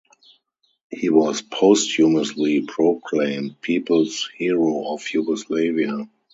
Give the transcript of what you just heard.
He was posthumously proclaimed People's Hero of Yugoslavia.